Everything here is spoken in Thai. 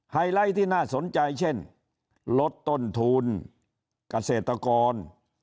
ไฮไลท์ที่น่าสนใจเช่นลดต้นทูลกาเศรษฐกร